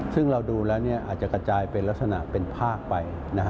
ซึ่งเราดูแล้วอาจจะกระจายเป็นลักษณะเป็นภาคไป